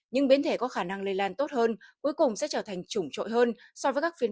những biến thể có khả năng lây lan tốt hơn cuối cùng sẽ trở thành chủng trội hơn so với các phiên